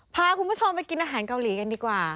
พาคุณผู้ชมไปกินอาหารเกาหลีกันดีกว่า